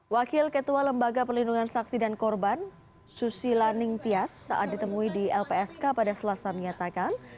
wakil ketua lembaga pelindungan saksi dan korban susila ningtyas saat ditemui di lpsk pada selasa menyatakan